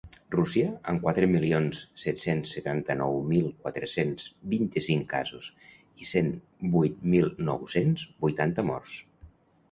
Rússia, amb quatre milions set-cents setanta-nou mil quatre-cents vint-i-cinc casos i cent vuit mil nou-cents vuitanta morts.